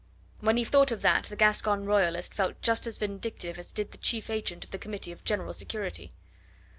When he thought of that the Gascon Royalist felt just as vindictive as did the chief agent of the Committee of General Security.